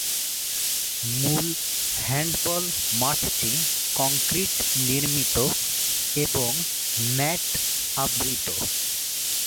মূল হ্যান্ডবল মাঠটি কংক্রিট নির্মিত এবং ম্যাট আবৃত।